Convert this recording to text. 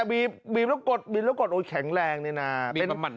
บีบบีบแล้วกดบีบแล้วกดโอ้ยแข็งแรงนี่น่ะเป็นบีบมัน